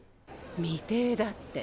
未定だって。